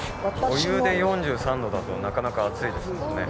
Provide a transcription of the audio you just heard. お湯で４３度だとなかなか熱いですもんね。